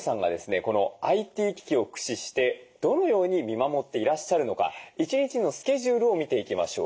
このＩＴ機器を駆使してどのように見守っていらっしゃるのか一日のスケジュールを見ていきましょう。